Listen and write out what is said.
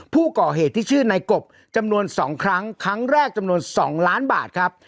ผู้ก่อเหตุที่ชื่อในกบจำนวน๒ครั้งครั้งแรกจำนวน๒ล้านบาทครับ